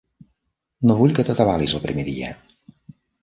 No vull que t'atabalis el primer dia.